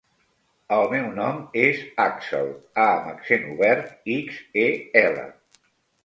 El meu nom és Àxel: a amb accent obert, ics, e, ela.